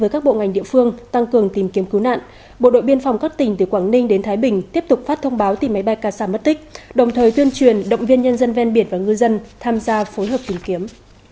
chúng ta phối hợp tìm kiếm